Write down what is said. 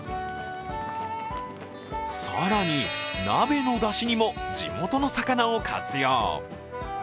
更に、鍋のだしにも地元の魚を活用。